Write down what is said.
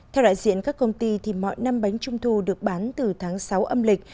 theo đại diện các công ty thì mọi năm bánh trung thu được bán từ tháng sáu âm lịch